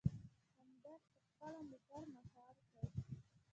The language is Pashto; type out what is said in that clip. همدرد په خپله موټر مهار کړ.